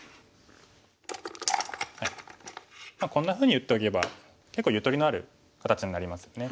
こんなふうに打っとけば結構ゆとりのある形になりますよね。